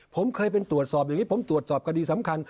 ผมเคยเป็นตรวจสอบอย่างนี้ผมตรวจสอบคดีสำคัญ